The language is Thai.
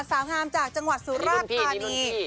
สาวงามจากจังหวัดสุราชธานี